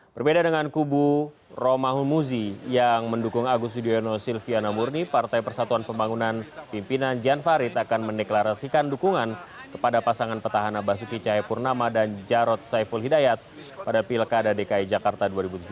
berbeda dengan kubu roma humuzi yang mendukung agus yudhoyono silviana murni partai persatuan pembangunan pimpinan jan farid akan mendeklarasikan dukungan kepada pasangan petahana basuki cahayapurnama dan jarod saiful hidayat pada pilkada dki jakarta dua ribu tujuh belas